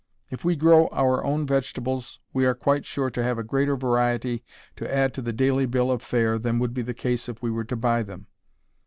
If we grow our own vegetables we are quite sure to have a greater variety to add to the daily bill of fare than would be the case if we were to buy them.